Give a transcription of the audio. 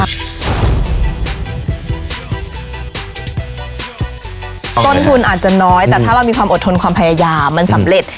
ต้นทุนอาจจะน้อยแต่ถ้าเรามีความอดทนความพยายามมันสำเร็จ